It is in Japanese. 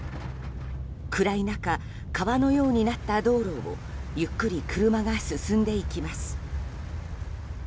暗い中、川のようになった道路をゆっくり車が進んでいきます。